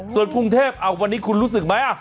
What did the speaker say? ส่วนกรุงเทพวันนี้คุณรู้สึกไหม